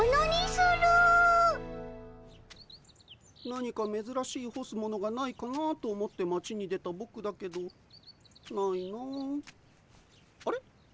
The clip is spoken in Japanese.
何かめずらしいほすものがないかなと思って町に出たぼくだけどないなああれ？